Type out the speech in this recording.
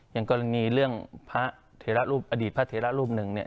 อย่างกรณีเรื่องพระเทระรูปอดีตพระเทระรูปหนึ่งเนี่ย